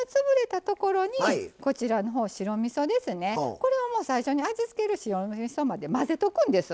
これはもう最初に味付ける白みそまで混ぜとくんですわ。